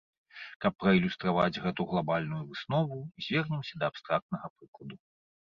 Каб праілюстраваць гэту глабальную выснову, звернемся да абстрактнага прыкладу.